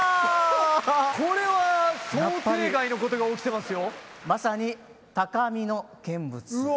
これは想定外のことが起きてますよ。